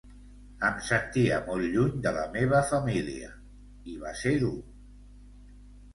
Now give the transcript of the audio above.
Em sentia molt lluny de la meva família i va ser dur.